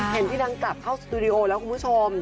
เห็นพี่นางกลับเข้าสตูดิโอแล้วคุณผู้ชม